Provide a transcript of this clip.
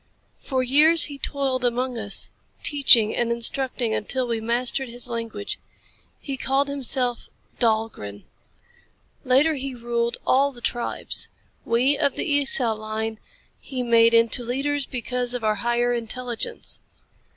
For years he toiled among us, teaching and instructing until we mastered his language. He called himself Dahlgren. Later he ruled all the tribes. We of the Esau line he made into leaders because of our higher intelligence.